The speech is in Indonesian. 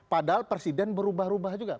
padahal presiden berubah ubah juga